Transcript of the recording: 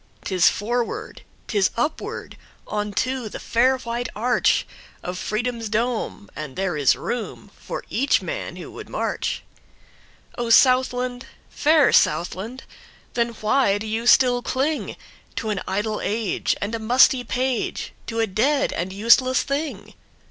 'Tis forward, 'tis upward, On to the fair white archOf Freedom's dome, and there is roomFor each man who would march.O Southland, fair Southland! Then why do you still clingTo an idle age and a musty page, To a dead and useless thing?